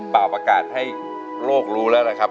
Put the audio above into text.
เป่าประกาศให้โลกรู้แล้วแหละครับ